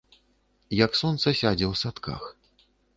Як сонца сядзе ў садках.